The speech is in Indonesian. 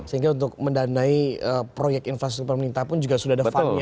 sehingga untuk mendanai proyek infrastruktur pemerintah pun juga sudah ada fundnya